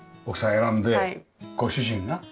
奥さん選んでご主人が。